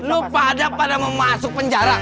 lu pada pada mau masuk penjara